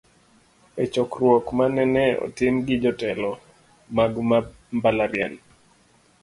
E chokruok manene otim gi jotelo mag mbalariany